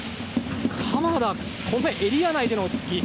鎌田、エリア内での落ち着き。